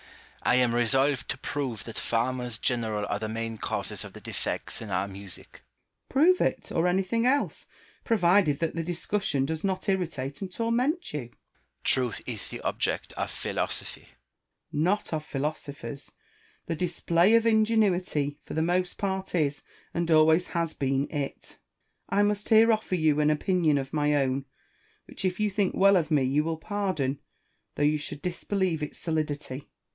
I am resolved to prove that farmers general are the main causes of the defects in our music. Malesherhes. Prove it, or anything else, provided that the discussion does not irritate and torment you. Rousseau. Truth is the object of philosophy. Malesherhes. Not of philosophers ; the display of ingen uity, for the most part, is and always has been it. I must here offer you an opinion of my own, which, if you think well of me, you will pardon, though you should disbelieve its solidity.